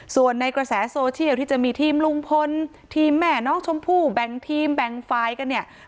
ส่วนในกระแสโซเชียลที่จะมีทีมลุงพลทีมแม่น้องชมพู่แบ่งทีมแบ่งฝ่ายกันเนี่ย